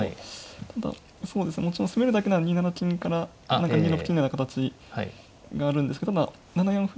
ただもちろん攻めるだけなら２七金から２六金のような形があるんですけど７四歩で７三